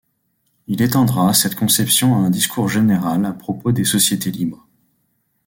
Il étendra cette conception à un discours général à propos des sociétés libres.